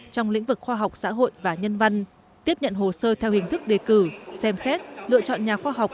trong lĩnh vực khoa học xã hội và nhân văn tiếp nhận hồ sơ theo hình thức đề cử xem xét lựa chọn nhà khoa học